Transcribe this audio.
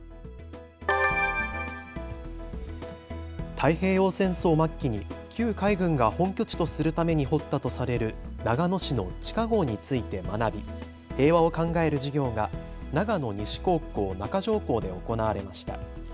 太平洋戦争末期に旧海軍が本拠地とするために掘ったとされる長野市の地下ごうについて学び平和を考える授業が長野西高校中条校で行われました。